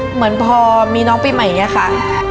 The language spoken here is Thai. เหมือนพอมีน้องปีใหม่อย่างนี้ค่ะ